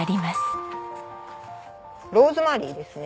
ローズマリーですね。